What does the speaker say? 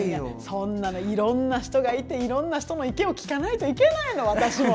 そんなのいろんな人がいていろんな人の意見を聞かないといけないの私も。